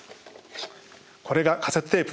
これがカセットテープ。